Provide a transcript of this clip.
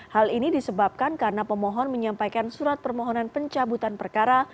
hal ini disebabkan karena pemohon menyampaikan surat permohonan pencabutan perkara